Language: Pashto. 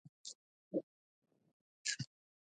چنګلونه د افغانانو د معیشت سرچینه ده.